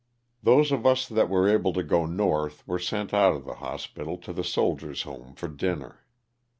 Those of us that were able to go North were sent out of the hospital to the Soldier's home for dinner.